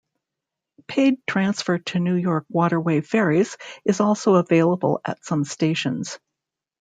Paid transfer to New York Waterway ferries is also available at some stations.